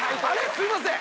すいません。